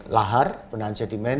lahar penahan sedimen